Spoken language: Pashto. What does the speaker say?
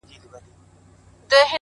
د سكون له سپينه هــاره دى لوېـدلى’